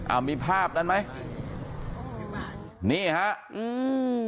เอามีภาพนั้นไหมนี่ฮะอืม